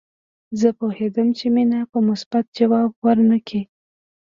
زه پوهېدم چې مينه به مثبت ځواب ورنه کړي